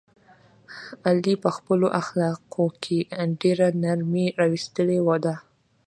علي په خپلو اخلاقو کې ډېره نرمي راوستلې ده.